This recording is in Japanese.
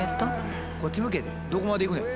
こっち向けってどこまで行くねん。